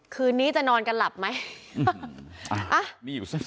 คืนนี้จะนอนกันหลับไหม